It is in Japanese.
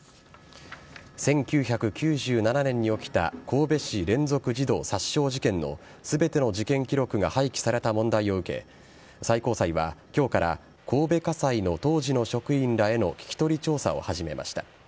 １９９７年に起きた神戸市連続児童殺傷事件の全ての事件記録が廃棄された問題を受け最高裁は今日から神戸家裁の当時の職員らへの聞き取り調査を始めました。